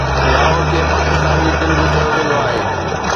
لاهور کي پاڪستان جي دل به چيو ويندو آهي